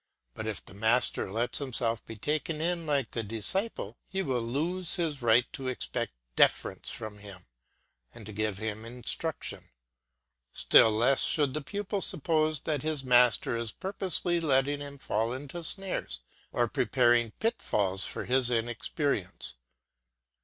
But if the master lets himself be taken in like the disciple, he will lose his right to expect deference from him, and to give him instruction. Still less should the pupil suppose that his master is purposely letting him fall into snares or preparing pitfalls for his inexperience.